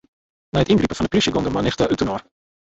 Nei it yngripen fan 'e plysje gong de mannichte útinoar.